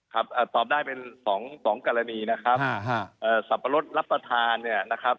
ครับตอบได้เป็นสองสองกรณีนะครับสับปะรดรับประทานเนี่ยนะครับ